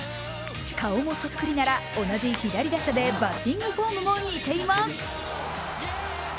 顔もそっくりなら、同じ左打者でバッティングフォームも似ています。